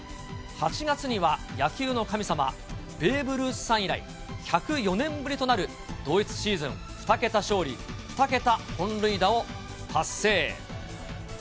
８月には野球の神様、ベーブ・ルースさん以来、１０４年ぶりとなる、同一シーズン２桁勝利、２桁本塁打を達成。